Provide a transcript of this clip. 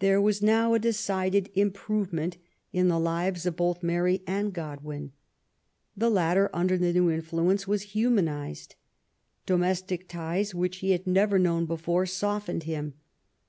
There was now a decided improvement in the lives of both Mary and Godwin. The latter, under the new \ influence, was humanized. Domestic ties, which he had never known before, softened him.